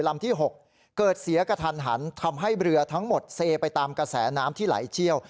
ที่๖เกิดเสียกระทันหันทำให้เรือทั้งหมดเซไปตามกระแสน้ำที่ไหลเชี่ยว